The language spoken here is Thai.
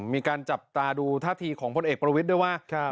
มีการจับตาดูท่าทีของพลเอกประวิทย์ด้วยว่า